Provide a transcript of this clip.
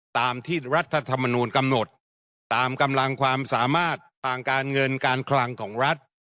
ตามที่รัฐธรรมนูลกำหนดตามกำลังความสามารถทางการเงินการคลังของรัฐ